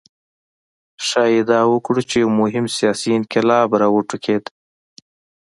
ښايي ادعا وکړو چې یو مهم سیاسي انقلاب راوټوکېد.